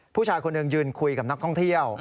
ผู้ชายคนหนึ่งยืนคุยกับนักท่องเที่ยว